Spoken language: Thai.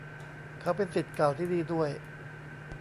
เขาเป็นศิษย์เก่าที่นี่ด้วย